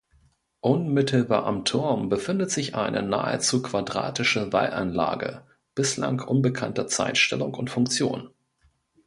Unmittelbar am Turm befindet sich eine nahezu quadratische Wallanlage bislang unbekannter Zeitstellung und Funktion.